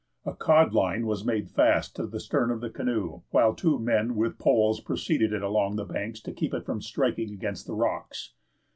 A cod line was made fast to the stern of the canoe, while two men with poles preceded it along the banks to keep it from striking against the rocks.